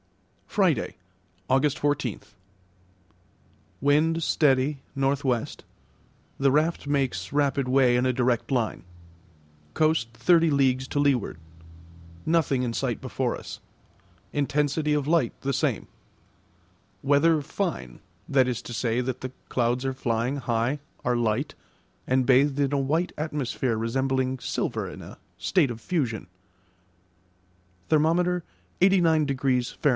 Friday, August 14. Wind steady, N.W. The raft makes rapid way in a direct line. Coast thirty leagues to leeward. Nothing in sight before us. Intensity of light the same. Weather fine; that is to say, that the clouds are flying high, are light, and bathed in a white atmosphere resembling silver in a state of fusion. Therm. 89° Fahr.